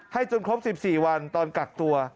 ให้จนครบ๑๔วันตอนกลับตัว